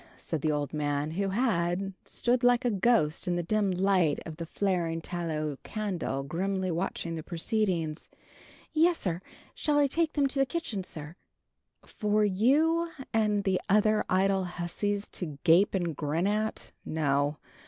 said the old man, who had stood like a ghost in the dim light of the flaring tallow candle, grimly watching the proceedings. "Yes, sir. Shall I take them to the kitchen, sir?" " for you and the other idle hussies to gape and grin at? No.